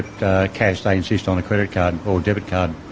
mereka berusia di kredit atau debit